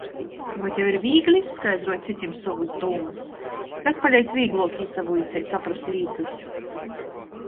Voi tev ir vīgli izskaidruot cytim sovys dūmys? Kas paleidz vīgļuok īsavuiceit, saprast lītys?